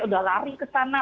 sudah lari ke sana